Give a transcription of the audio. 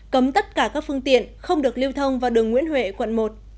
cấm tất cả các phương tiện không được lưu thông vào đường nguyễn huệ quận một